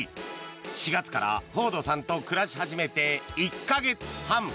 ４月からフォードさんと暮らし始めて１か月半。